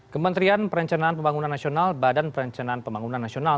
kementerian perencanaan pembangunan nasional badan perencanaan pembangunan nasional